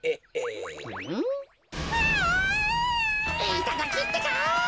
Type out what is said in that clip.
いただきってか。